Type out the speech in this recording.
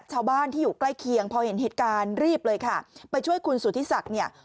ชาวบ้านที่อยู่ใกล้เคียงพอเห็นเหตุการณ์รีบเลยค่ะไปช่วยคุณสุธิศักดิ์เนี่ย